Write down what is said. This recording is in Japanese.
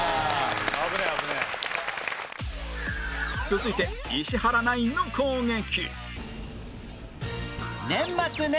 続いて石原ナインの攻撃